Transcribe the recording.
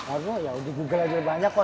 aku ya udah google aja banyak kok